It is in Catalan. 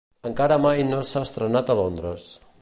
Encara mai no s'ha estrenat a Londres.